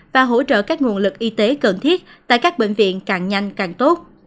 và hỗ trợ các nguồn lực y tế cần thiết tại các bệnh viện càng nhanh càng tốt